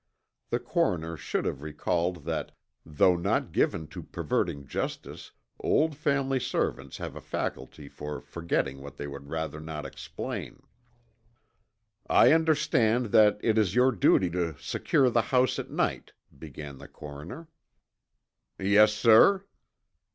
The coroner should have recalled that though not given to perverting justice old family servants have a faculty for forgetting what they would rather not explain. "I understand that it is your duty to secure the house at night," began the coroner. "Yes, sir."